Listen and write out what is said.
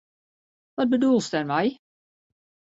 Wat bedoelst dêrmei?